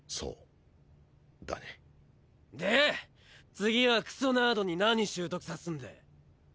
次はクソナードに何習得さすんだ？